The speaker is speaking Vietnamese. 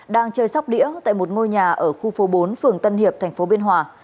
đang chơi sóc đĩa tại một ngôi nhà ở khu phố bốn phường tân hiệp tp biên hòa